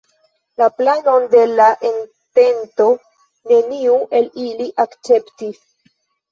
La planon de la entento neniu el ili akceptis.